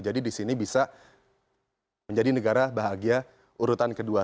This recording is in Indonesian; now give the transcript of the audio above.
jadi disini bisa menjadi negara bahagia urutan kedua